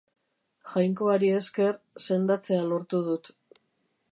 Jainkoari esker, sendatzea lortu dut.